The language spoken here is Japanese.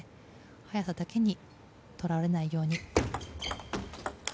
速さだけにとらわれないように。